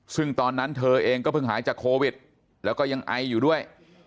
ซึ่งตอนนั้นเธอเองก็เพิ่งหายจากโควิดแล้วก็ยังไออยู่ด้วย